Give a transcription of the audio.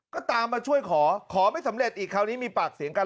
ก็ตามมาช่วยขอขอไม่สำเร็จอีกคราวนี้มีปากเสียงกัน